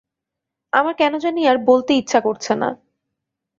আমার কেন জানি আর বলতে ইচ্ছা করছে না।